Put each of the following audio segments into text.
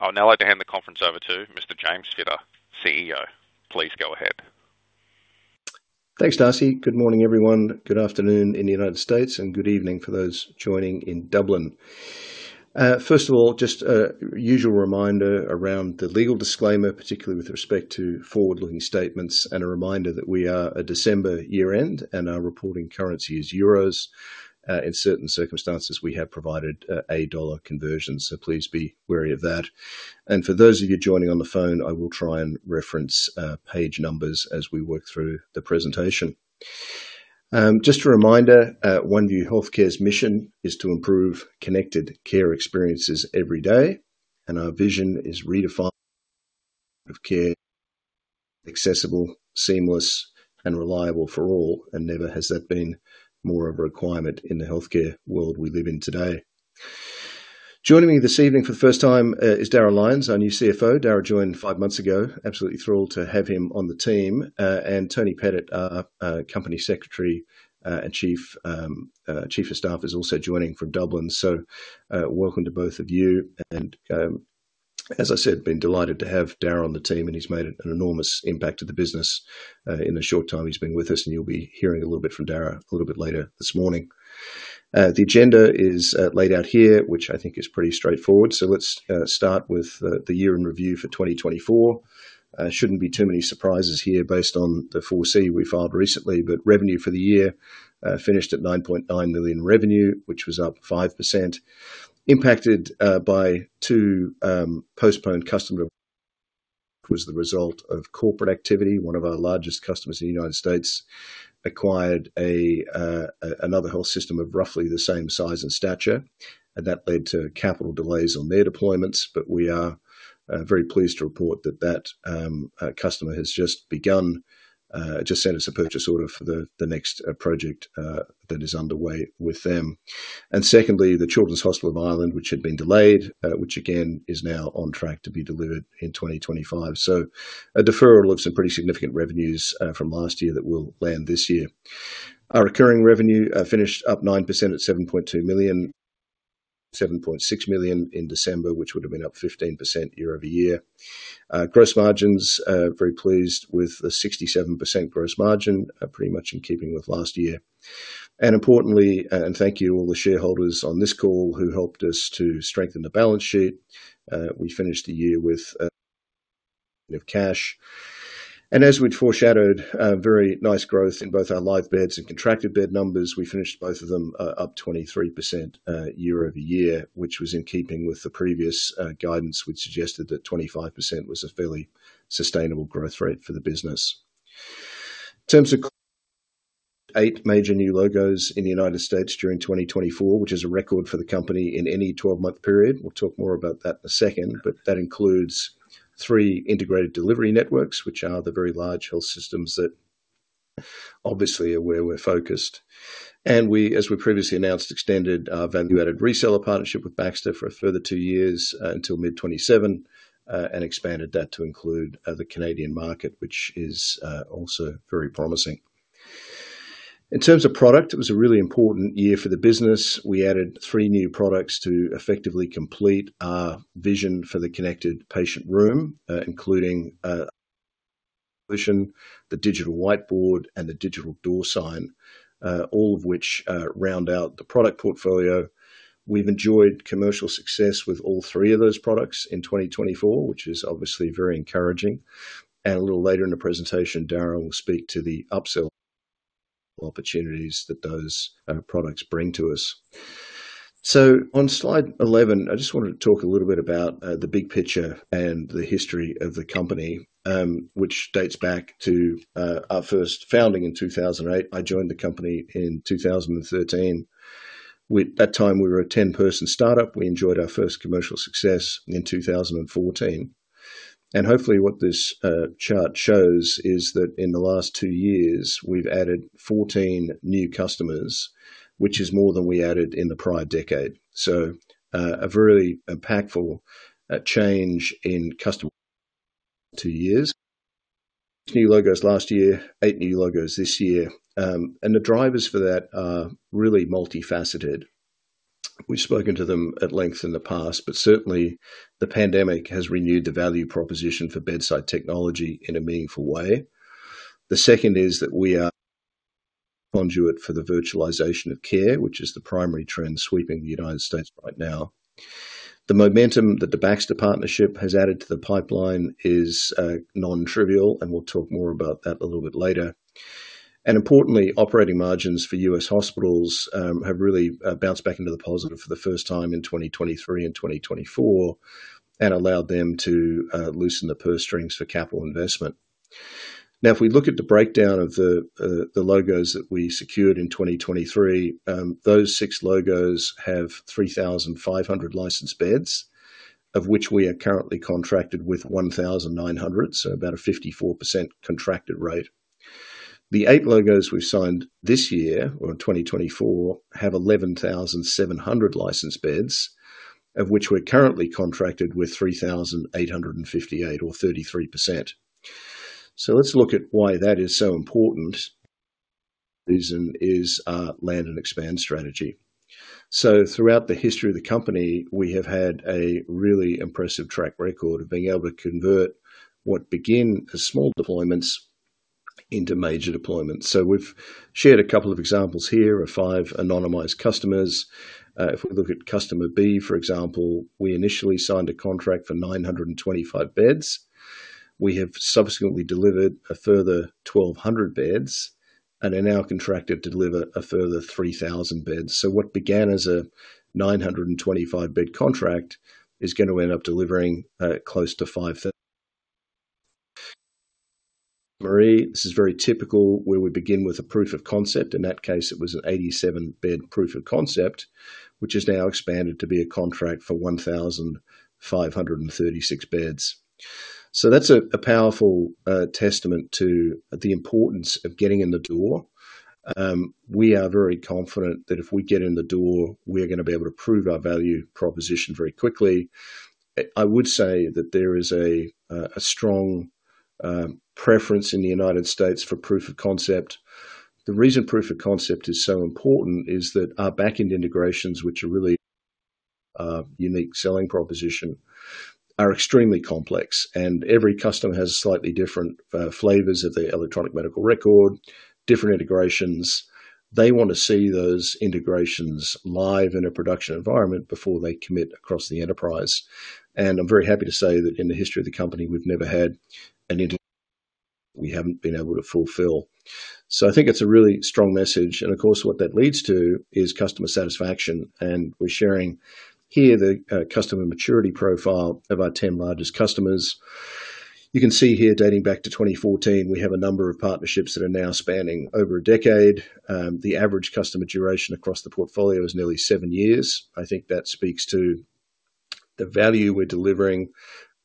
I'd now like to hand the conference over to Mr. James Fitter, CEO. Please go ahead. Thanks, Darcy. Good morning, everyone. Good afternoon in the United States, and good evening for those joining in Dublin. First of all, just a usual reminder around the legal disclaimer, particularly with respect to forward-looking statements, and a reminder that we are a December year-end and our reporting currency is EUR. In certain circumstances, we have provided a dollar conversion, so please be wary of that. For those of you joining on the phone, I will try and reference page numbers as we work through the presentation. Just a reminder, Oneview Healthcare's mission is to improve connected care experiences every day, and our vision is redefining care accessible, seamless, and reliable for all, and never has that been more of a requirement in the healthcare world we live in today. Joining me this evening for the first time is Darragh Lyons, our new CFO. Darragh joined five months ago. Absolutely thrilled to have him on the team. Tony Pettit, our Company Secretary and Chief of Staff, is also joining from Dublin. Welcome to both of you. As I said, been delighted to have Darragh on the team, and he's made an enormous impact to the business in the short time he's been with us, and you'll be hearing a little bit from Darragh a little bit later this morning. The agenda is laid out here, which I think is pretty straightforward. Let's start with the year in review for 2024. Shouldn't be too many surprises here based on the 4C we filed recently, but revenue for the year finished at 9.9 million revenue, which was up 5%. Impacted by two postponed customers was the result of corporate activity. One of our largest customers in the U.S. acquired another health system of roughly the same size and stature, and that led to capital delays on their deployments. We are very pleased to report that that customer has just begun, just sent us a purchase order for the next project that is underway with them. Secondly, the Children's Hospital of Ireland, which had been delayed, which again is now on track to be delivered in 2025. A deferral of some pretty significant revenues from last year that will land this year. Our recurring revenue finished up 9% at 7.2 million, 7.6 million in December, which would have been up 15% year over year. Gross margins, very pleased with the 67% gross margin, pretty much in keeping with last year. Importantly, thank you to all the shareholders on this call who helped us to strengthen the balance sheet. We finished the year with cash. As we had foreshadowed, very nice growth in both our live beds and contracted bed numbers. We finished both of them up 23% year over year, which was in keeping with the previous guidance, which suggested that 25% was a fairly sustainable growth rate for the business. In terms of eight major new logos in the United States during 2024, which is a record for the company in any 12-month period. We will talk more about that in a second, but that includes three integrated delivery networks, which are the very large health systems that obviously are where we are focused. As we previously announced, we extended our value-added reseller partnership with Baxter for a further two years until mid-2027 and expanded that to include the Canadian market, which is also very promising. In terms of product, it was a really important year for the business. We added three new products to effectively complete our vision for the connected patient room, including the Digital Whiteboard and the Digital Door Sign, all of which round out the product portfolio. We have enjoyed commercial success with all three of those products in 2024, which is obviously very encouraging. A little later in the presentation, Darragh will speak to the upsell opportunities that those products bring to us. On slide 11, I just wanted to talk a little bit about the big picture and the history of the company, which dates back to our first founding in 2008. I joined the company in 2013. At that time, we were a 10-person startup. We enjoyed our first commercial success in 2014. Hopefully, what this chart shows is that in the last two years, we've added 14 new customers, which is more than we added in the prior decade. A very impactful change in customers in two years. New logos last year, eight new logos this year. The drivers for that are really multifaceted. We've spoken to them at length in the past, but certainly the pandemic has renewed the value proposition for bedside technology in a meaningful way. The second is that we are a conduit for the virtualization of care, which is the primary trend sweeping the United States right now. The momentum that the Baxter partnership has added to the pipeline is non-trivial, and we'll talk more about that a little bit later. Importantly, operating margins for US hospitals have really bounced back into the positive for the first time in 2023 and 2024 and allowed them to loosen the purse strings for capital investment. Now, if we look at the breakdown of the logos that we secured in 2023, those six logos have 3,500 licensed beds, of which we are currently contracted with 1,900, so about a 54% contracted rate. The eight logos we've signed this year or in 2024 have 11,700 licensed beds, of which we're currently contracted with 3,858 or 33%. Let's look at why that is so important. The reason is our land and expand strategy. Throughout the history of the company, we have had a really impressive track record of being able to convert what begin as small deployments into major deployments. We've shared a couple of examples here of five anonymized customers. If we look at customer B, for example, we initially signed a contract for 925 beds. We have subsequently delivered a further 1,200 beds and are now contracted to deliver a further 3,000 beds. What began as a 925-bed contract is going to end up delivering close to 5,000. Marie, this is very typical where we begin with a proof of concept. In that case, it was an 87-bed proof of concept, which has now expanded to be a contract for 1,536 beds. That is a powerful testament to the importance of getting in the door. We are very confident that if we get in the door, we are going to be able to prove our value proposition very quickly. I would say that there is a strong preference in the United States for proof of concept. The reason proof of concept is so important is that our back-end integrations, which are really a unique selling proposition, are extremely complex, and every customer has slightly different flavors of their electronic medical record, different integrations. They want to see those integrations live in a production environment before they commit across the enterprise. I'm very happy to say that in the history of the company, we've never had an integration we haven't been able to fulfill. I think it's a really strong message. Of course, what that leads to is customer satisfaction. We're sharing here the customer maturity profile of our 10 largest customers. You can see here, dating back to 2014, we have a number of partnerships that are now spanning over a decade. The average customer duration across the portfolio is nearly seven years. I think that speaks to the value we're delivering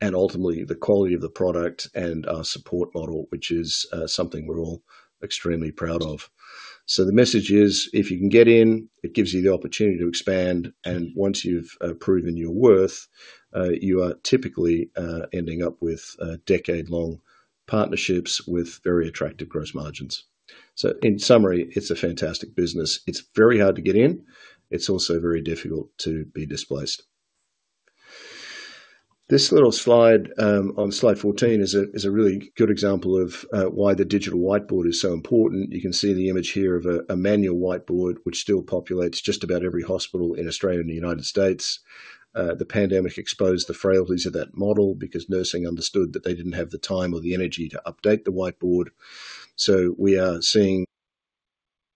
and ultimately the quality of the product and our support model, which is something we're all extremely proud of. The message is, if you can get in, it gives you the opportunity to expand. Once you've proven your worth, you are typically ending up with decade-long partnerships with very attractive gross margins. In summary, it's a fantastic business. It's very hard to get in. It's also very difficult to be displaced. This little slide on slide 14 is a really good example of why the digital whiteboard is so important. You can see the image here of a manual whiteboard, which still populates just about every hospital in Australia and the United States. The pandemic exposed the frailties of that model because nursing understood that they didn't have the time or the energy to update the whiteboard. We are seeing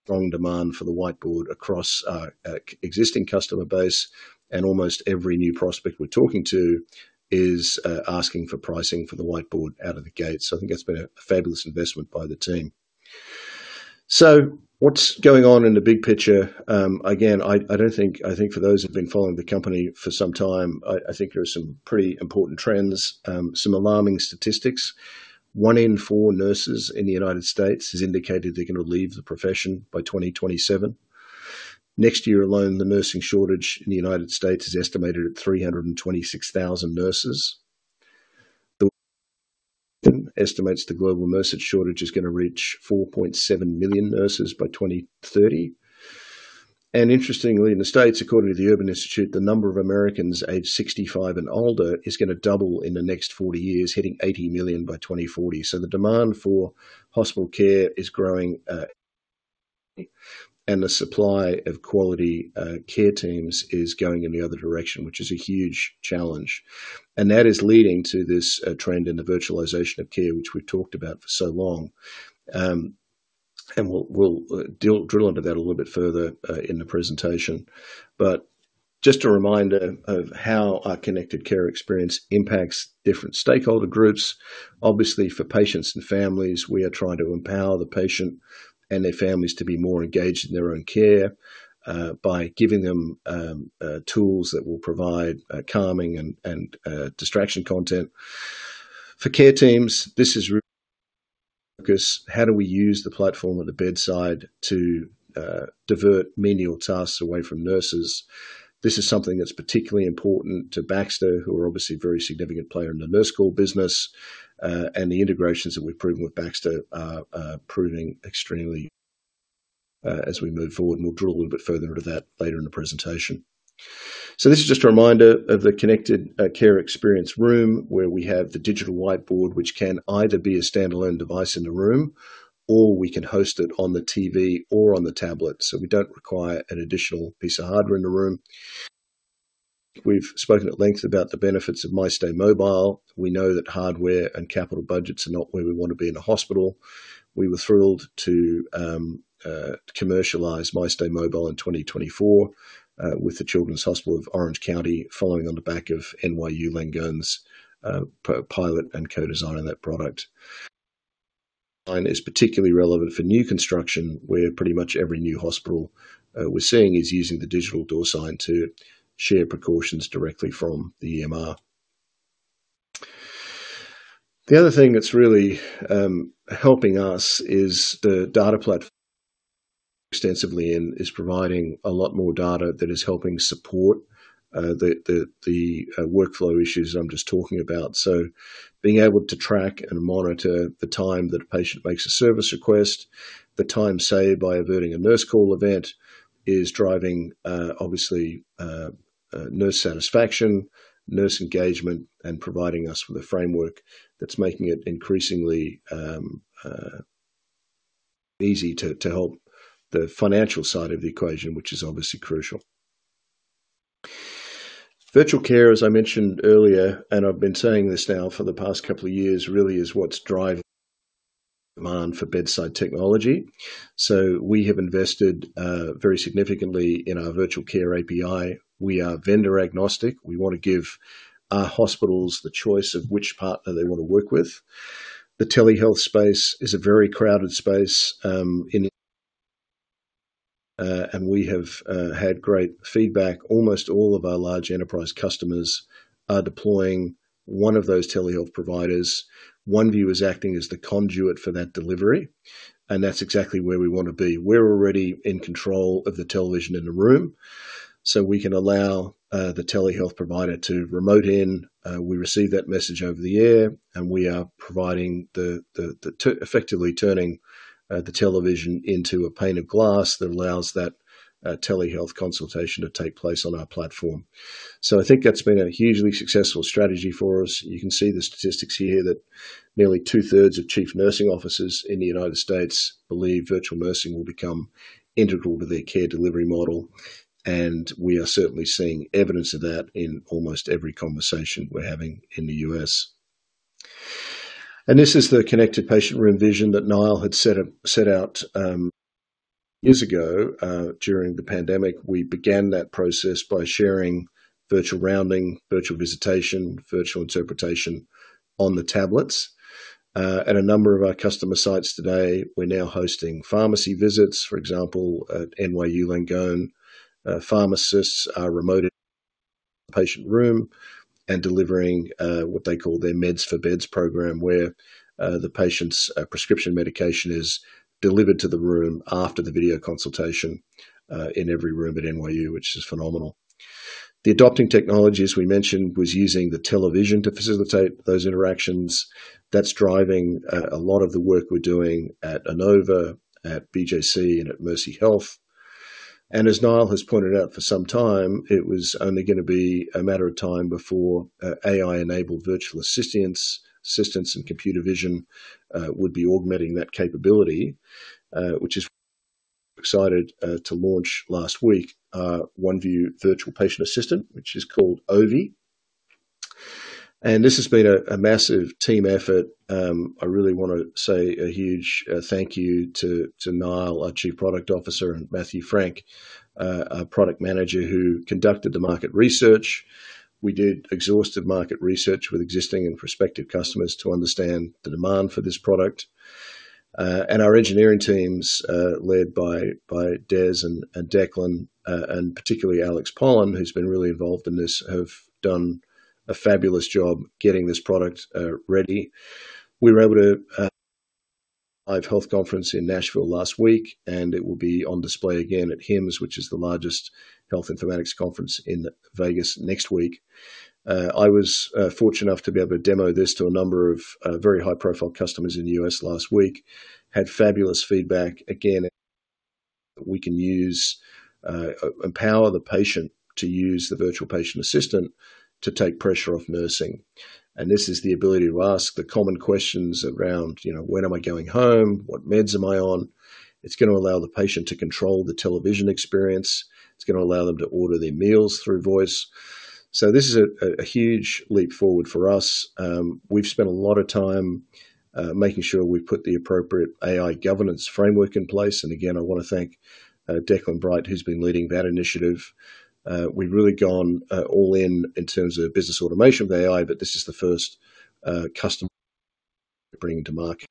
strong demand for the whiteboard across our existing customer base. Almost every new prospect we're talking to is asking for pricing for the whiteboard out of the gate. I think that's been a fabulous investment by the team. What's going on in the big picture? Again, I think for those who've been following the company for some time, there are some pretty important trends, some alarming statistics. One in four nurses in the United States has indicated they're going to leave the profession by 2027. Next year alone, the nursing shortage in the United States is estimated at 326,000 nurses. The estimates are the global nursing shortage is going to reach 4.7 million nurses by 2030. Interestingly, in the U.S., according to the Urban Institute, the number of Americans aged 65 and older is going to double in the next 40 years, hitting 80 million by 2040. The demand for hospital care is growing, and the supply of quality care teams is going in the other direction, which is a huge challenge. That is leading to this trend in the virtualization of care, which we've talked about for so long. We'll drill into that a little bit further in the presentation. Just a reminder of how our connected care experience impacts different stakeholder groups. Obviously, for patients and families, we are trying to empower the patient and their families to be more engaged in their own care by giving them tools that will provide calming and distraction content. For care teams, this is how do we use the platform at the bedside to divert menial tasks away from nurses? This is something that's particularly important to Baxter, who are obviously a very significant player in the nurse call business. The integrations that we've proven with Baxter are proving extremely important as we move forward, and we'll drill a little bit further into that later in the presentation. This is just a reminder of the connected care experience room where we have the Digital Whiteboard, which can either be a standalone device in the room, or we can host it on the TV or on the tablet. We don't require an additional piece of hardware in the room. We've spoken at length about the benefits of MyStay Mobile. We know that hardware and capital budgets are not where we want to be in a hospital. We were thrilled to commercialize MyStay Mobile in 2024 with the Children's Hospital of Orange County following on the back of NYU Langone's pilot and co-design of that product. It's particularly relevant for new construction, where pretty much every new hospital we're seeing is using the Digital Door Sign to share precautions directly from the EMR. The other thing that's really helping us is the data platform we're extensively in is providing a lot more data that is helping support the workflow issues I'm just talking about. Being able to track and monitor the time that a patient makes a service request, the time saved by averting a nurse call event is driving, obviously, nurse satisfaction, nurse engagement, and providing us with a framework that's making it increasingly easy to help the financial side of the equation, which is obviously crucial. Virtual care, as I mentioned earlier, and I've been saying this now for the past couple of years, really is what's driving demand for bedside technology. We have invested very significantly in our virtual care API. We are vendor agnostic. We want to give our hospitals the choice of which partner they want to work with. The telehealth space is a very crowded space in the US, and we have had great feedback. Almost all of our large enterprise customers are deploying one of those telehealth providers. Oneview is acting as the conduit for that delivery, and that's exactly where we want to be. We're already in control of the television in the room, so we can allow the telehealth provider to remote in. We receive that message over the air, and we are effectively turning the television into a pane of glass that allows that telehealth consultation to take place on our platform. I think that's been a hugely successful strategy for us. You can see the statistics here that nearly two-thirds of chief nursing officers in the United States believe virtual nursing will become integral to their care delivery model. We are certainly seeing evidence of that in almost every conversation we're having in the US. This is the connected patient room vision that Niall had set out years ago during the pandemic. We began that process by sharing virtual rounding, virtual visitation, virtual interpretation on the tablets. At a number of our customer sites today, we're now hosting pharmacy visits, for example, at NYU Langone. Pharmacists are remote in the patient room and delivering what they call their meds-for-beds program, where the patient's prescription medication is delivered to the room after the video consultation in every room at NYU, which is phenomenal. The adopting technology, as we mentioned, was using the television to facilitate those interactions. That is driving a lot of the work we are doing at Inova, at BJC, and at Mercy Health. As Niall has pointed out for some time, it was only going to be a matter of time before AI-enabled virtual assistants and computer vision would be augmenting that capability, which is excited to launch last week, Oneview Virtual Patient Assistant, which is called OVi. This has been a massive team effort. I really want to say a huge thank you to Niall, our Chief Product Officer, and Matthew Frank, our Product Manager, who conducted the market research. We did exhaustive market research with existing and prospective customers to understand the demand for this product. Our engineering teams, led by Des and Declan, and particularly Alex Pullen, who's been really involved in this, have done a fabulous job getting this product ready. We were able to ViVE health conference in Nashville last week, and it will be on display again at HIMSS, which is the largest health informatics conference in Vegas next week. I was fortunate enough to be able to demo this to a number of very high-profile customers in the US last week. Had fabulous feedback. We can empower the patient to use the virtual patient assistant to take pressure off nursing. This is the ability to ask the common questions around, "When am I going home? What meds am I on?" It's going to allow the patient to control the television experience. It's going to allow them to order their meals through voice. This is a huge leap forward for us. We've spent a lot of time making sure we put the appropriate AI governance framework in place. I want to thank Declan Bright, who's been leading that initiative. We've really gone all in in terms of business automation with AI, but this is the first customer we're bringing to market.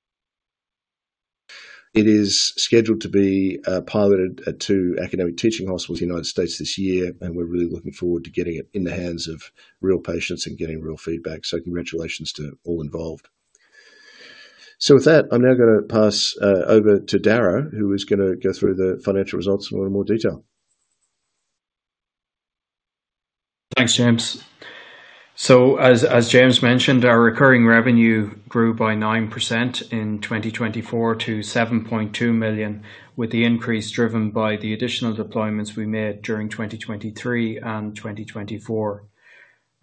It is scheduled to be piloted at two academic teaching hospitals in the United States this year, and we're really looking forward to getting it in the hands of real patients and getting real feedback. Congratulations to all involved. With that, I'm now going to pass over to Darragh, who is going to go through the financial results in a little more detail. Thanks, James. As James mentioned, our recurring revenue grew by 9% in 2024 to 7.2 million, with the increase driven by the additional deployments we made during 2023 and 2024.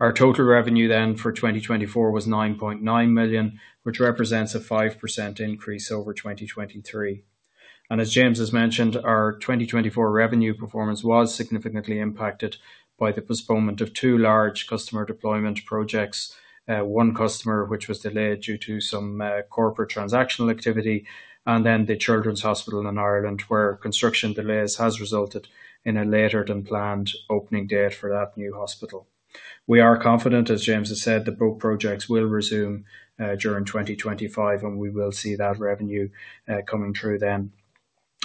Our total revenue for 2024 was 9.9 million, which represents a 5% increase over 2023. As James has mentioned, our 2024 revenue performance was significantly impacted by the postponement of two large customer deployment projects. One customer was delayed due to some corporate transactional activity, and then the Children's Hospital of Ireland, where construction delays have resulted in a later-than-planned opening date for that new hospital. We are confident, as James has said, that both projects will resume during 2025, and we will see that revenue coming through then.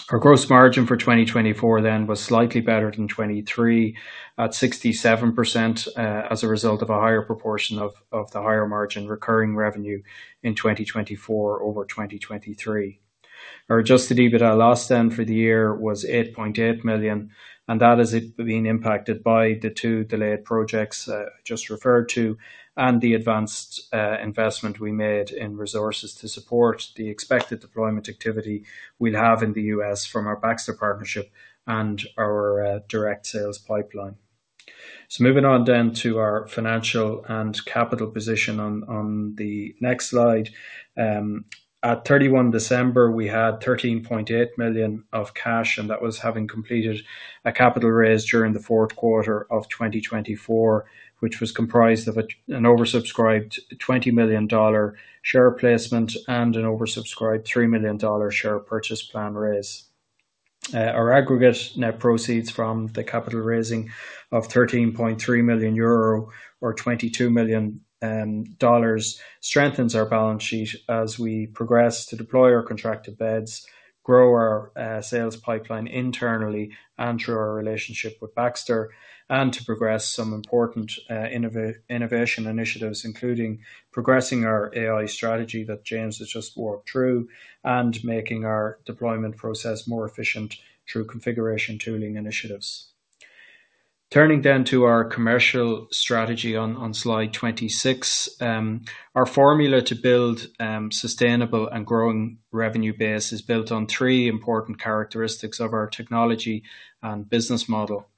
Our gross margin for 2024 then was slightly better than 2023, at 67%, as a result of a higher proportion of the higher margin recurring revenue in 2024 over 2023. Our adjusted EBITDA last then for the year was €8.8 million, and that has been impacted by the two delayed projects just referred to and the advanced investment we made in resources to support the expected deployment activity we will have in the US from our Baxter partnership and our direct sales pipeline. Moving on then to our financial and capital position on the next slide. At 31 December, we had €13.8 million of cash, and that was having completed a capital raise during the fourth quarter of 2024, which was comprised of an oversubscribed $20 million share placement and an oversubscribed $3 million share purchase plan raise. Our aggregate net proceeds from the capital raising of 13.3 million euro or $22 million strengthens our balance sheet as we progress to deploy our contracted beds, grow our sales pipeline internally and through our relationship with Baxter, and to progress some important innovation initiatives, including progressing our AI strategy that James has just walked through and making our deployment process more efficient through configuration tooling initiatives. Turning then to our commercial strategy on slide 26, our formula to build a sustainable and growing revenue base is built on three important characteristics of our technology and business model.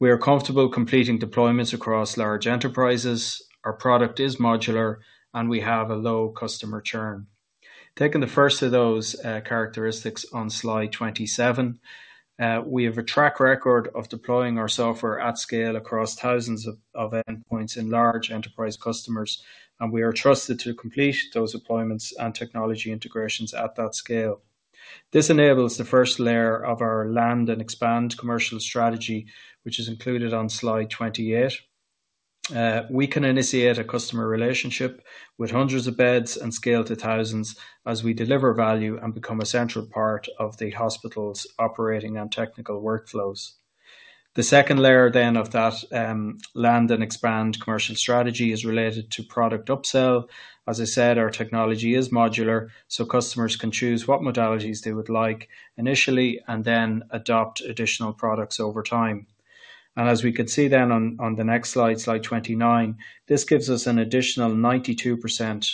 We are comfortable completing deployments across large enterprises. Our product is modular, and we have a low customer churn. Taking the first of those characteristics on slide 27, we have a track record of deploying our software at scale across thousands of endpoints in large enterprise customers, and we are trusted to complete those deployments and technology integrations at that scale. This enables the first layer of our land and expand commercial strategy, which is included on slide 28. We can initiate a customer relationship with hundreds of beds and scale to thousands as we deliver value and become a central part of the hospital's operating and technical workflows. The second layer then of that land and expand commercial strategy is related to product upsell. As I said, our technology is modular, so customers can choose what modalities they would like initially and then adopt additional products over time. As we can see then on the next slide, slide 29, this gives us an additional 92%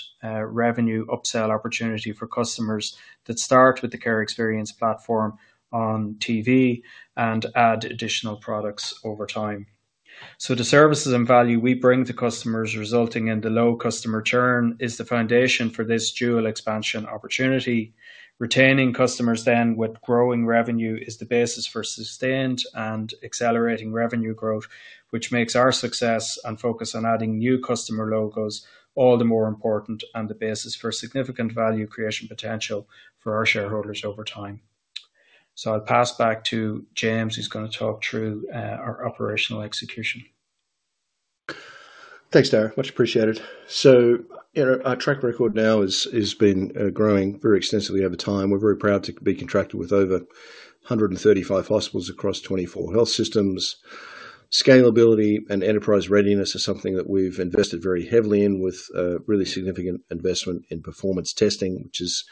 revenue upsell opportunity for customers that start with the Care Experience Platform on TV and add additional products over time. The services and value we bring to customers, resulting in the low customer churn, is the foundation for this dual expansion opportunity. Retaining customers then with growing revenue is the basis for sustained and accelerating revenue growth, which makes our success and focus on adding new customer logos all the more important and the basis for significant value creation potential for our shareholders over time. I'll pass back to James, who's going to talk through our operational execution. Thanks, Darragh. Much appreciated. Our track record now has been growing very extensively over time. We're very proud to be contracted with over 135 hospitals across 24 health systems. Scalability and enterprise readiness is something that we've invested very heavily in with really significant investment in performance testing, which is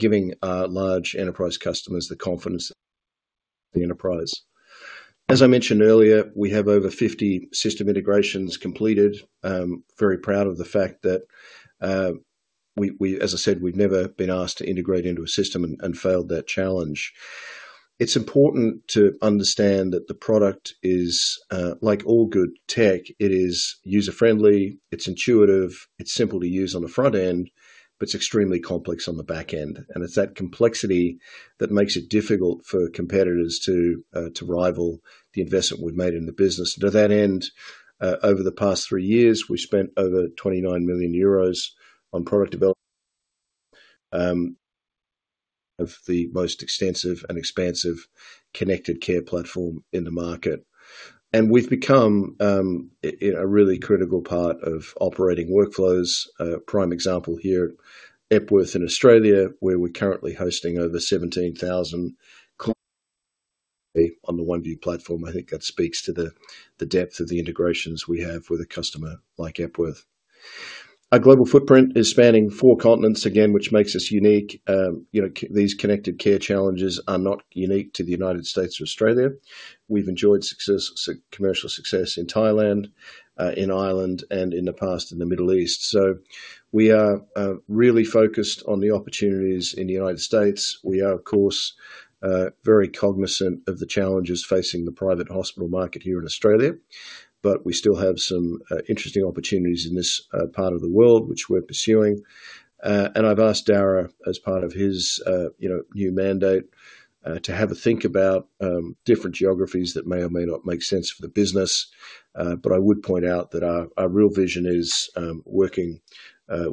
giving large enterprise customers the confidence in the enterprise. As I mentioned earlier, we have over 50 system integrations completed. Very proud of the fact that, as I said, we've never been asked to integrate into a system and failed that challenge. It's important to understand that the product is, like all good tech, it is user-friendly, it's intuitive, it's simple to use on the front end, but it's extremely complex on the back end. It's that complexity that makes it difficult for competitors to rival the investment we've made in the business. To that end, over the past three years, we've spent over 29 million euros on product development of the most extensive and expansive connected care platform in the market. We have become a really critical part of operating workflows. Prime example here, Epworth in Australia, where we are currently hosting over 17,000 clients on the Oneview platform. I think that speaks to the depth of the integrations we have with a customer like Epworth. Our global footprint is spanning four continents, again, which makes us unique. These connected care challenges are not unique to the United States or Australia. We have enjoyed commercial success in Thailand, in Ireland, and in the past in the Middle East. We are really focused on the opportunities in the United States. We are, of course, very cognizant of the challenges facing the private hospital market here in Australia, but we still have some interesting opportunities in this part of the world, which we are pursuing. I've asked Darragh, as part of his new mandate, to have a think about different geographies that may or may not make sense for the business. I would point out that our real vision is working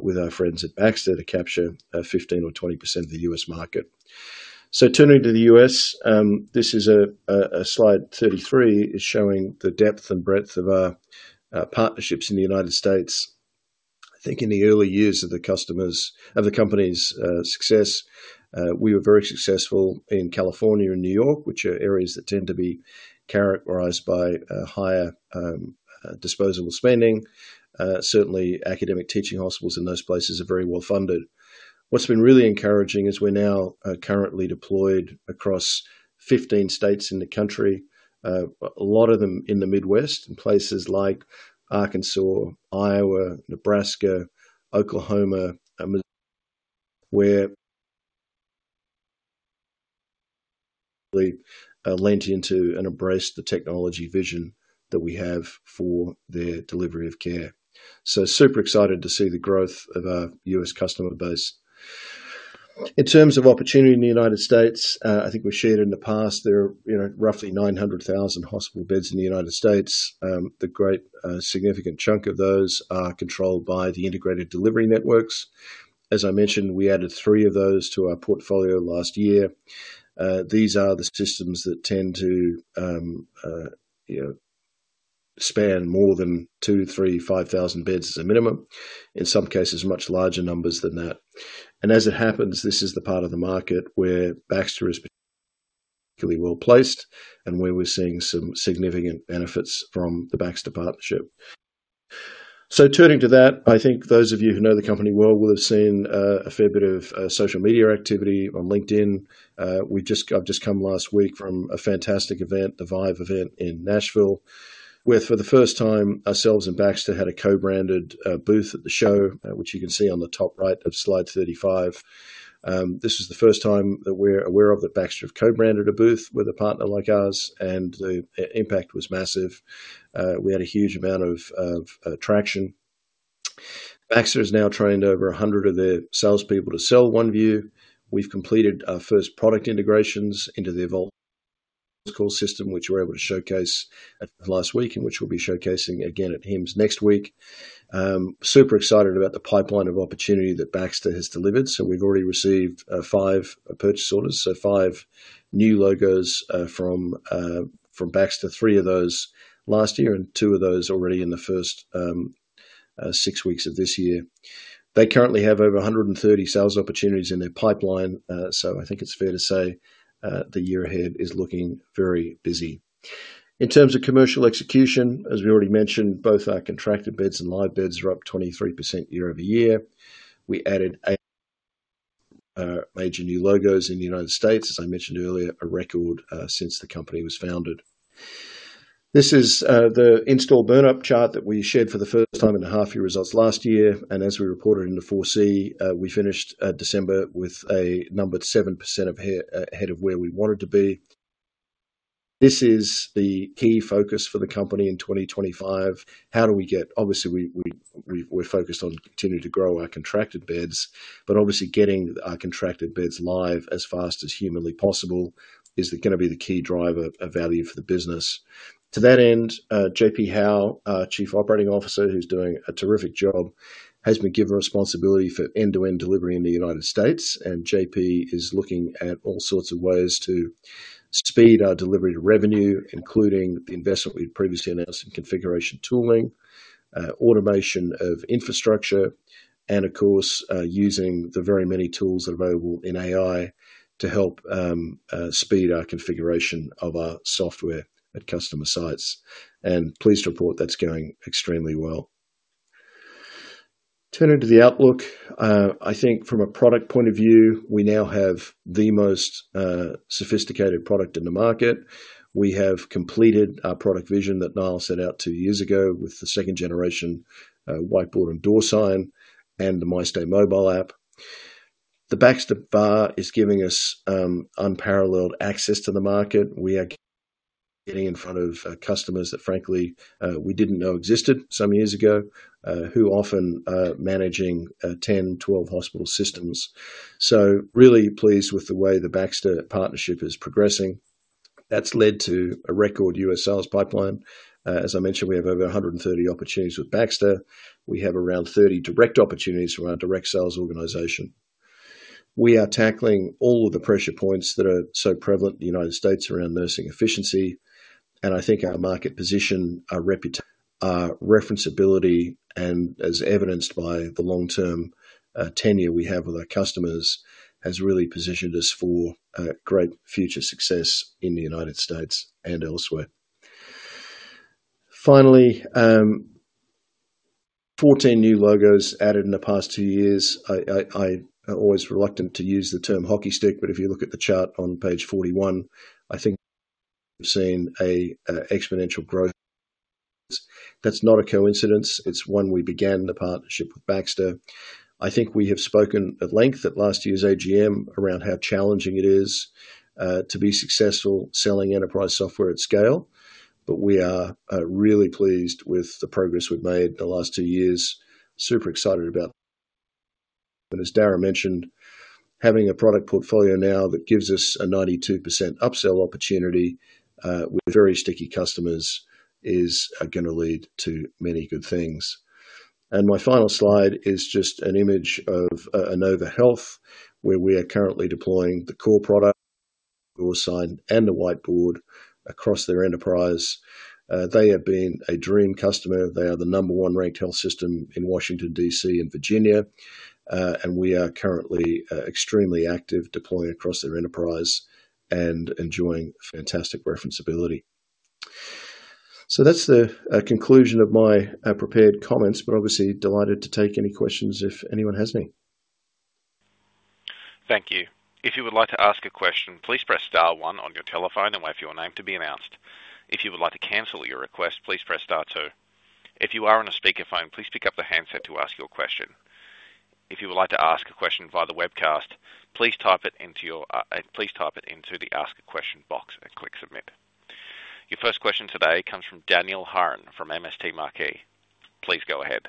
with our friends at Baxter to capture 15%-20% of the US market. Turning to the US, this is slide 33, showing the depth and breadth of our partnerships in the United States. I think in the early years of the company's success, we were very successful in California and New York, which are areas that tend to be characterized by higher disposable spending. Certainly, academic teaching hospitals in those places are very well funded. What's been really encouraging is we're now currently deployed across 15 states in the US, a lot of them in the Midwest, in places like Arkansas, Iowa, Nebraska, Oklahoma, where they leaned into and embraced the technology vision that we have for their delivery of care. Super excited to see the growth of our US customer base. In terms of opportunity in the United States, I think we've shared in the past, there are roughly 900,000 hospital beds in the United States. The great significant chunk of those are controlled by the integrated delivery networks. As I mentioned, we added three of those to our portfolio last year. These are the systems that tend to span more than 2,000, 3,000, 5,000 beds as a minimum, in some cases, much larger numbers than that. As it happens, this is the part of the market where Baxter is particularly well placed and where we're seeing some significant benefits from the Baxter partnership. Turning to that, I think those of you who know the company well will have seen a fair bit of social media activity on LinkedIn. I have just come last week from a fantastic event, the ViVE event in Nashville, where for the first time, ourselves and Baxter had a co-branded booth at the show, which you can see on the top right of slide 35. This was the first time that we're aware of that Baxter have co-branded a booth with a partner like ours, and the impact was massive. We had a huge amount of traction. Baxter has now trained over 100 of their salespeople to sell Oneview. We've completed our first product integrations into their Voalte call system, which we were able to showcase last week and which we'll be showcasing again at HIMSS next week. Super excited about the pipeline of opportunity that Baxter has delivered. We've already received five purchase orders, so five new logos from Baxter, three of those last year and two of those already in the first six weeks of this year. They currently have over 130 sales opportunities in their pipeline, so I think it's fair to say the year ahead is looking very busy. In terms of commercial execution, as we already mentioned, both our contracted beds and live beds are up 23% year over year. We added eight major new logos in the United States, as I mentioned earlier, a record since the company was founded. This is the install burn-up chart that we shared for the first time in the half-year results last year. As we reported in the 4C, we finished December with a number 7% ahead of where we wanted to be. This is the key focus for the company in 2025. How do we get? Obviously, we're focused on continuing to grow our contracted beds, but obviously getting our contracted beds live as fast as humanly possible is going to be the key driver of value for the business. To that end, JP Howell, our Chief Operating Officer, who's doing a terrific job, has been given responsibility for end-to-end delivery in the United States. JP is looking at all sorts of ways to speed our delivery to revenue, including the investment we previously announced in configuration tooling, automation of infrastructure, and, of course, using the very many tools available in AI to help speed our configuration of our software at customer sites. Pleased to report that's going extremely well. Turning to the outlook, I think from a product point of view, we now have the most sophisticated product in the market. We have completed our product vision that Niall set out two years ago with the second-generation whiteboard and door sign and the MyStay Mobile app. The Baxter VAR is giving us unparalleled access to the market. We are getting in front of customers that, frankly, we didn't know existed some years ago, who often are managing 10, 12 hospital systems. Really pleased with the way the Baxter partnership is progressing. That's led to a record US sales pipeline. As I mentioned, we have over 130 opportunities with Baxter. We have around 30 direct opportunities for our direct sales organization. We are tackling all of the pressure points that are so prevalent in the United States around nursing efficiency. I think our market position, our reputability, our referenceability, and as evidenced by the long-term tenure we have with our customers, has really positioned us for great future success in the United States and elsewhere. Finally, 14 new logos added in the past two years. I'm always reluctant to use the term hockey stick, but if you look at the chart on page 41, I think we've seen an exponential growth. That's not a coincidence. It's when we began the partnership with Baxter. I think we have spoken at length at last year's AGM around how challenging it is to be successful selling enterprise software at scale, but we are really pleased with the progress we've made the last two years. Super excited about, and as Darragh mentioned, having a product portfolio now that gives us a 92% upsell opportunity with very sticky customers is going to lead to many good things. My final slide is just an image of Inova Health, where we are currently deploying the core product, the door sign, and the whiteboard across their enterprise. They have been a dream customer. They are the number one ranked health system in Washington, DC, and Virginia. We are currently extremely active deploying across their enterprise and enjoying fantastic referenceability. That's the conclusion of my prepared comments, but obviously delighted to take any questions if anyone has any. Thank you. If you would like to ask a question, please press star one on your telephone and wait for your name to be announced. If you would like to cancel your request, please press star two. If you are on a speakerphone, please pick up the handset to ask your question. If you would like to ask a question via the webcast, please type it into your, please type it into the ask a question box and click submit. Your first question today comes from Daniel Harron from MST Marquee. Please go ahead.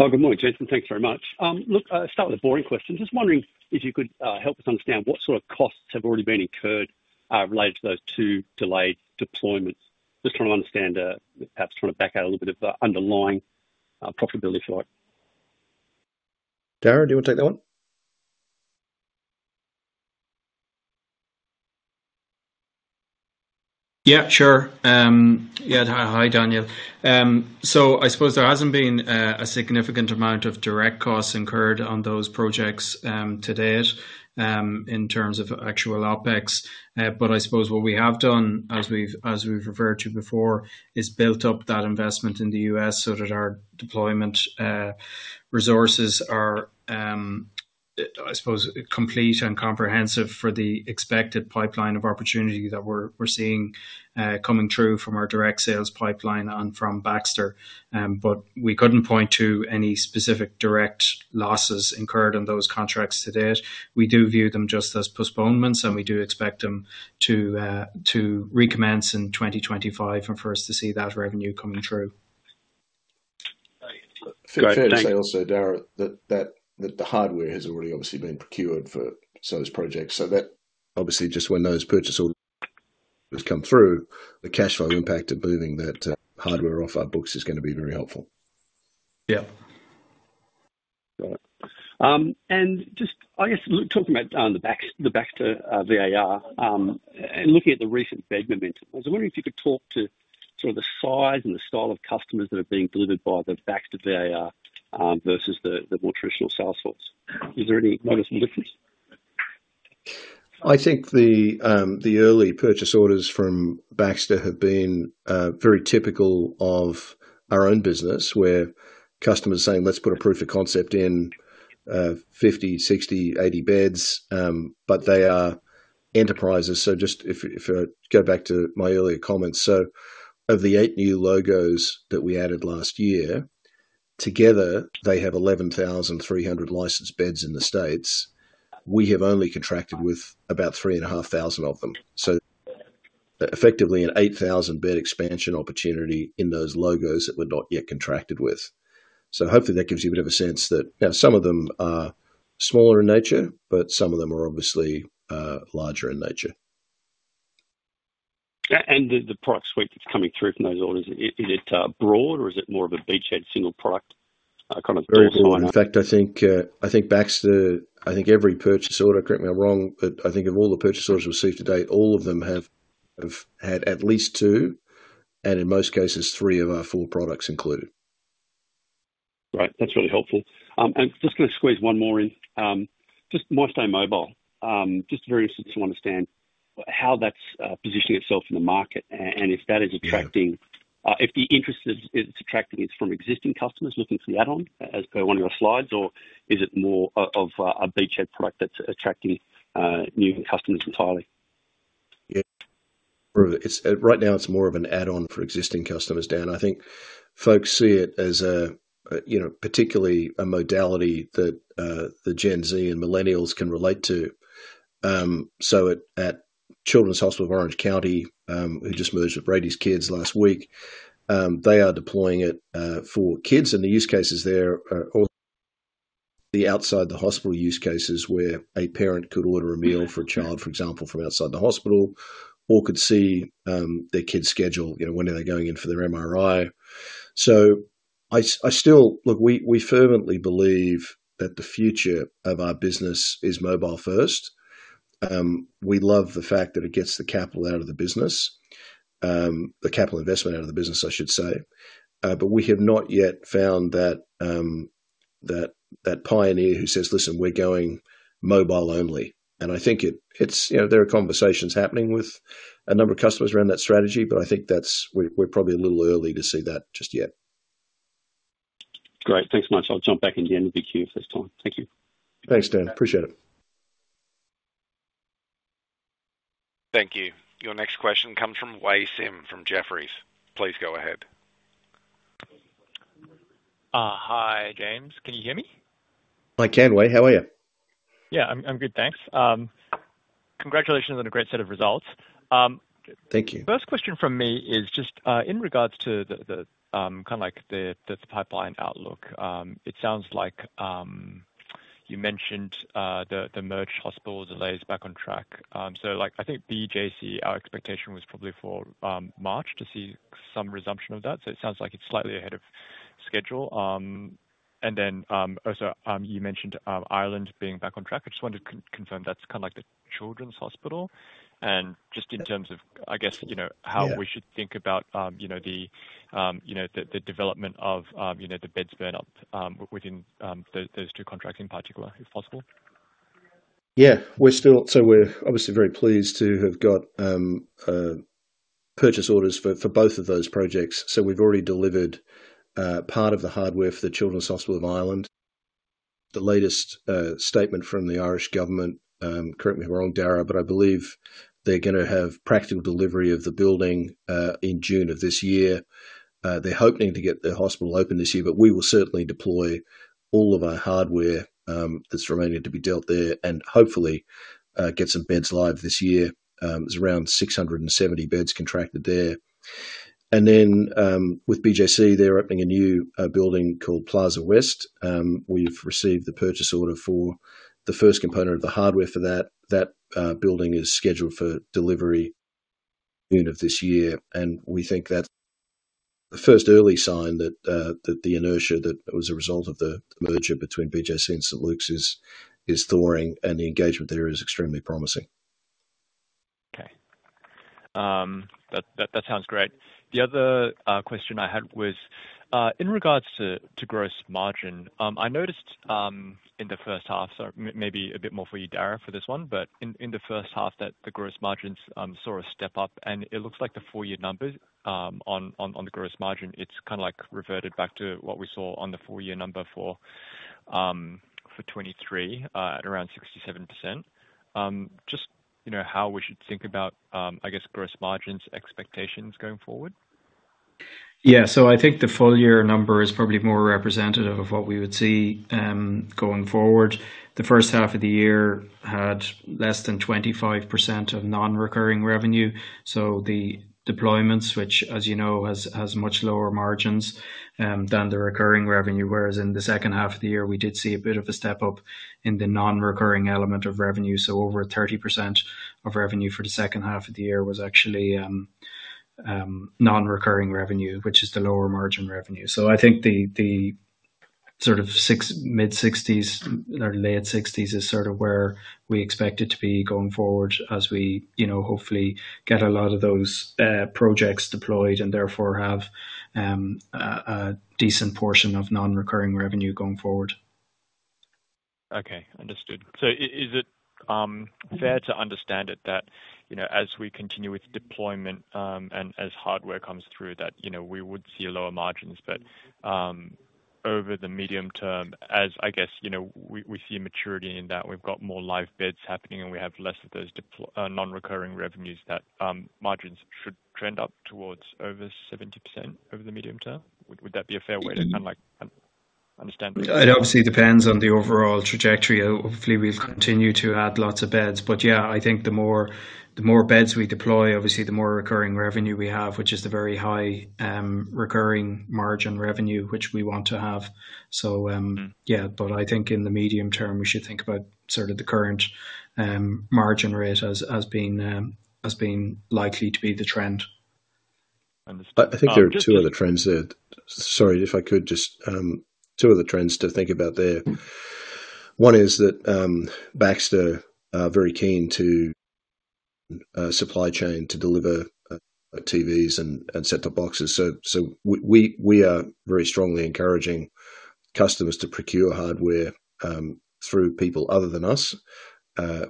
Hi, good morning, James. Thanks very much. Look, I'll start with a boring question. Just wondering if you could help us understand what sort of costs have already been incurred related to those two delayed deployments. Just trying to understand, perhaps trying to back out a little bit of underlying profitability, if you like. Darragh, do you want to take that one? Yeah, sure. Yeah, hi, Daniel. I suppose there hasn't been a significant amount of direct costs incurred on those projects to date in terms of actual OpEx. I suppose what we have done, as we've referred to before, is built up that investment in the US so that our deployment resources are, I suppose, complete and comprehensive for the expected pipeline of opportunity that we're seeing coming through from our direct sales pipeline and from Baxter. We couldn't point to any specific direct losses incurred on those contracts to date. We do view them just as postponements, and we do expect them to recommence in 2025 and for us to see that revenue coming through. Fair to say also, Darragh, that the hardware has already obviously been procured for those projects. That obviously, just when those purchase orders come through, the cash flow impact of moving that hardware off our books is going to be very helpful. Yeah. Got it. Just, I guess, talking about the Baxter VAR and looking at the recent bed momentum, I was wondering if you could talk to sort of the size and the style of customers that are being delivered by the Baxter VAR versus the more traditional salesforce. Is there any noticeable difference? I think the early purchase orders from Baxter have been very typical of our own business, where customers are saying, "Let's put a proof of concept in 50, 60, 80 beds," but they are enterprises. Just if I go back to my earlier comments, of the eight new logos that we added last year, together, they have 11,300 licensed beds in the States. We have only contracted with about 3,500 of them. Effectively, an 8,000-bed expansion opportunity in those logos that we're not yet contracted with. Hopefully, that gives you a bit of a sense that now some of them are smaller in nature, but some of them are obviously larger in nature. The product suite that's coming through from those orders, is it broad or is it more of a beachhead single product kind of door sign? In fact, I think Baxter, I think every purchase order, correct me if I'm wrong, but I think of all the purchase orders received to date, all of them have had at least two and in most cases, three of our four products included. Right. That's really helpful. Just going to squeeze one more in. Just MyStay Mobile, just very interested to understand how that's positioning itself in the market and if that is attracting, if the interest it's attracting is from existing customers looking for the add-on as per one of your slides, or is it more of a beachhead product that's attracting new customers entirely? Yeah. Right now, it's more of an add-on for existing customers, Dan. I think folks see it as particularly a modality that the Gen Z and millennials can relate to. At Children's Hospital of Orange County, who just merged with Brady's Kids last week, they are deploying it for kids. The use cases there are the outside-the-hospital use cases where a parent could order a meal for a child, for example, from outside the hospital, or could see their kid's schedule, when are they going in for their MRI. I still, look, we fervently believe that the future of our business is mobile-first. We love the fact that it gets the capital out of the business, the capital investment out of the business, I should say. We have not yet found that pioneer who says, "Listen, we're going mobile only." I think there are conversations happening with a number of customers around that strategy, but I think we're probably a little early to see that just yet. Great. Thanks much. I'll jump back in the end of the queue if there's time. Thank you. Thanks, Dan. Appreciate it. Thank you. Your next question comes from Wei Sim from Jefferies. Please go ahead. Hi, James. Can you hear me? I can, Wei. How are you? Yeah, I'm good, thanks. Congratulations on a great set of results. Thank you. First question from me is just in regards to kind of the pipeline outlook. It sounds like you mentioned the merged hospital delays back on track. I think BJC, our expectation was probably for March to see some resumption of that. It sounds like it's slightly ahead of schedule. You also mentioned Ireland being back on track. I just wanted to confirm that's kind of like the Children's Hospital. Just in terms of, I guess, how we should think about the development of the beds burn-up within those two contracts in particular, if possible. Yeah. We're obviously very pleased to have got purchase orders for both of those projects. We've already delivered part of the hardware for the Children's Hospital of Ireland. The latest statement from the Irish government, currently we're on Darragh, but I believe they're going to have practical delivery of the building in June of this year. They're hoping to get the hospital open this year, but we will certainly deploy all of our hardware that's remaining to be dealt there and hopefully get some beds live this year. There's around 670 beds contracted there. Then with BJC, they're opening a new building called Plaza West. We've received the purchase order for the first component of the hardware for that. That building is scheduled for delivery June of this year. We think that's the first early sign that the inertia that was a result of the merger between BJC and Saint Luke's is thawing, and the engagement there is extremely promising. Okay. That sounds great. The other question I had was in regards to gross margin. I noticed in the first half, so maybe a bit more for you, Darragh, for this one, but in the first half that the gross margins saw a step up. It looks like the full-year numbers on the gross margin, it's kind of like reverted back to what we saw on the full-year number for 2023 at around 67%. Just how we should think about, I guess, gross margins expectations going forward? Yeah. I think the full-year number is probably more representative of what we would see going forward. The first half of the year had less than 25% of non-recurring revenue. The deployments, which, as you know, has much lower margins than the recurring revenue, whereas in the second half of the year, we did see a bit of a step up in the non-recurring element of revenue. Over 30% of revenue for the second half of the year was actually non-recurring revenue, which is the lower margin revenue. I think the sort of mid-60s or late 60s is sort of where we expect it to be going forward as we hopefully get a lot of those projects deployed and therefore have a decent portion of non-recurring revenue going forward. Okay. Understood. Is it fair to understand it that as we continue with deployment and as hardware comes through, that we would see lower margins, but over the medium term, as I guess we see maturity in that we have more live beds happening and we have less of those non-recurring revenues, that margins should trend up towards over 70% over the medium term? Would that be a fair way to kind of understand? It obviously depends on the overall trajectory. Hopefully, we'll continue to add lots of beds. I think the more beds we deploy, obviously, the more recurring revenue we have, which is the very high recurring margin revenue, which we want to have. I think in the medium term, we should think about sort of the current margin rate as being likely to be the trend. I think there are two other trends there. Sorry, if I could just, two other trends to think about there. One is that Baxter are very keen to supply chain to deliver TVs and set-top boxes. We are very strongly encouraging customers to procure hardware through people other than us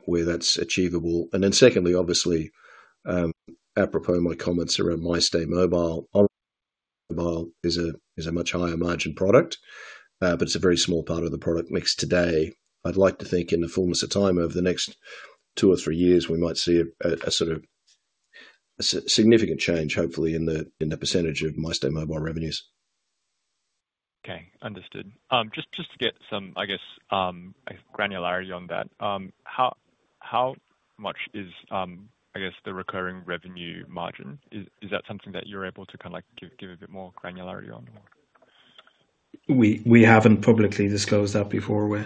where that's achievable. Secondly, obviously, apropos my comments around MyStay Mobile, Mobile is a much higher margin product, but it's a very small part of the product mix today. I'd like to think in the fullness of time over the next two or three years, we might see a sort of significant change, hopefully, in the percentage of MyStay Mobile revenues. Okay. Understood. Just to get some, I guess, granularity on that, how much is, I guess, the recurring revenue margin? Is that something that you're able to kind of give a bit more granularity on? We haven't publicly disclosed that before, Wei.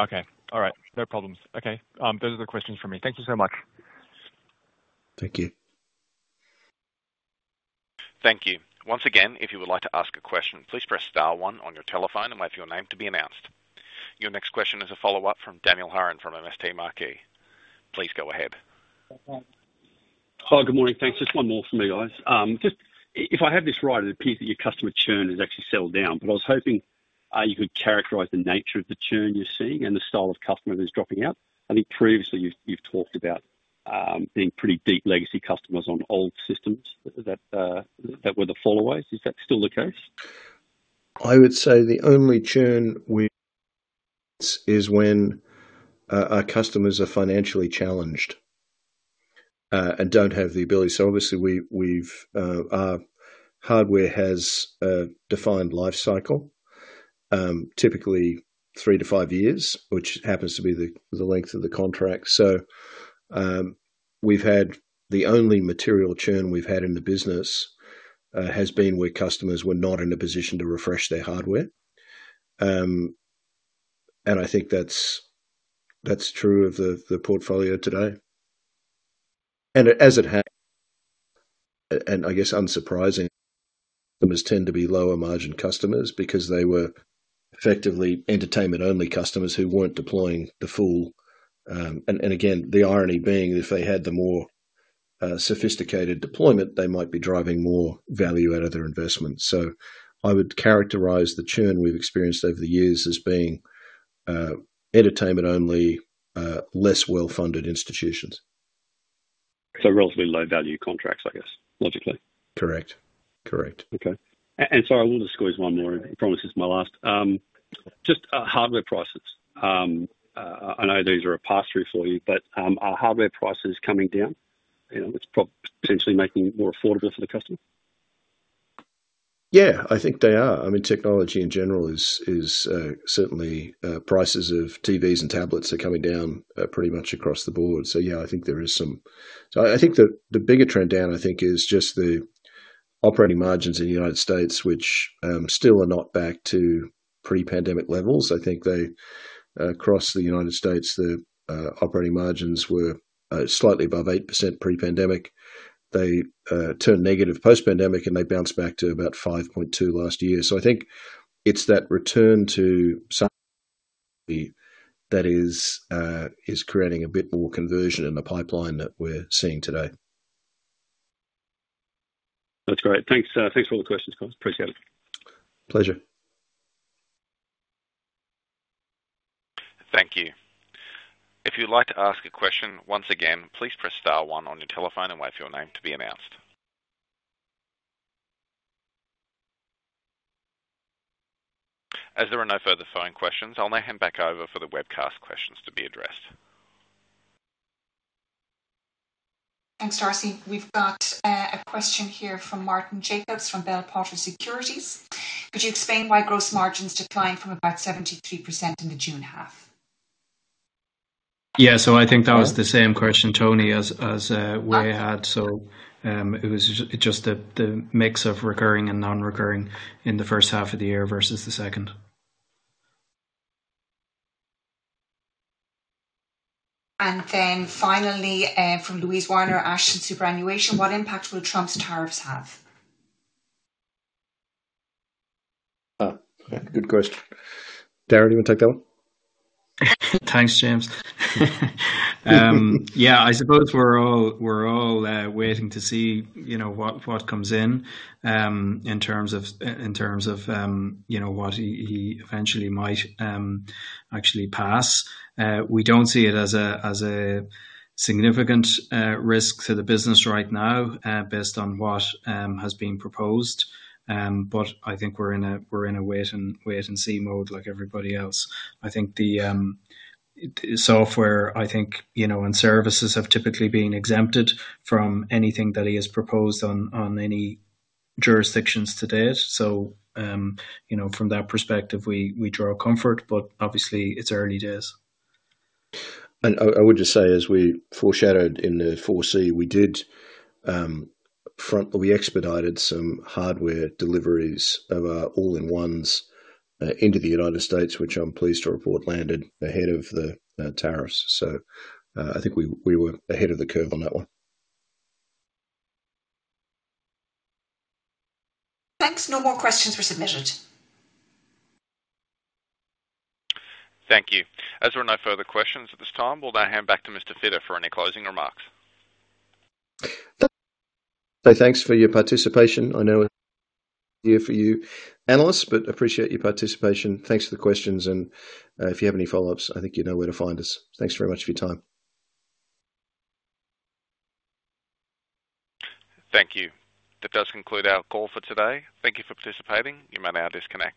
Okay. All right. No problems. Okay. Those are the questions from me. Thank you so much. Thank you. Thank you. Once again, if you would like to ask a question, please press star one on your telephone and wait for your name to be announced. Your next question is a follow-up from Daniel Harron from MST Marquee. Please go ahead. Hi, good morning. Thanks. Just one more from me, guys. Just if I have this right, it appears that your customer churn has actually settled down, but I was hoping you could characterize the nature of the churn you're seeing and the style of customer that is dropping out. I think previously you've talked about being pretty deep legacy customers on old systems that were the followers. Is that still the case? I would say the only churn is when our customers are financially challenged and don't have the ability. Obviously, our hardware has a defined life cycle, typically three to five years, which happens to be the length of the contract. We've had the only material churn we've had in the business has been where customers were not in a position to refresh their hardware. I think that's true of the portfolio today. As it has, and I guess unsurprising, customers tend to be lower margin customers because they were effectively entertainment-only customers who were not deploying the full. The irony being that if they had the more sophisticated deployment, they might be driving more value out of their investment. I would characterize the churn we have experienced over the years as being entertainment-only, less well-funded institutions. Relatively low-value contracts, I guess, logically. Correct. Correct. Okay. Sorry, I will disclose one more. I promise it is my last. Just hardware prices. I know these are a pass-through for you, but are hardware prices coming down? It is potentially making them more affordable for the customer. Yeah, I think they are. I mean, technology in general is certainly, prices of TVs and tablets are coming down pretty much across the board. Yeah, I think there is some. I think the bigger trend down, I think, is just the operating margins in the United States, which still are not back to pre-pandemic levels. I think across the United States, the operating margins were slightly above 8% pre-pandemic. They turned negative post-pandemic, and they bounced back to about 5.2% last year. I think it's that return to some that is creating a bit more conversion in the pipeline that we're seeing today. That's great. Thanks for all the questions, guys. Appreciate it. Pleasure. Thank you. If you'd like to ask a question, once again, please press star one on your telephone and wait for your name to be announced. As there are no further phone questions, I'll now hand back over for the webcast questions to be addressed. Thanks, D'Arcy. We've got a question here from Martyn Jacobs from Bell Potter Securities. Could you explain why gross margins declined from about 73% in the June half? Yeah, I think that was the same question, Tony, as we had. It was just the mix of recurring and non-recurring in the first half of the year versus the second. Finally, from Louise Werner, AustralianSuper, what impact will Trump's tariffs have? Good question. Darragh, do you want to take that one? Thanks, James. I suppose we're all waiting to see what comes in in terms of what he eventually might actually pass. We do not see it as a significant risk to the business right now based on what has been proposed, but I think we're in a wait-and-see mode like everybody else. I think the software and services have typically been exempted from anything that he has proposed on any jurisdictions to date. From that perspective, we draw comfort, but obviously, it's early days. I would just say, as we foreshadowed in the foresee, we did front or we expedited some hardware deliveries of our all-in-ones into the United States, which I'm pleased to report landed ahead of the tariffs. I think we were ahead of the curve on that one. Thanks. No more questions were submitted. Thank you. As there are no further questions at this time, we'll now hand back to Mr. Fitter for any closing remarks. Thanks for your participation. I know it's a year for you analysts, but appreciate your participation. Thanks for the questions. If you have any follow-ups, I think you know where to find us. Thanks very much for your time. Thank you. That does conclude our call for today. Thank you for participating. You may now disconnect.